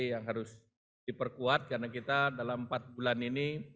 yang harus diperkuat karena kita dalam empat bulan ini